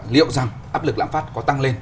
liệu rằng áp lực lạm phát có tăng lên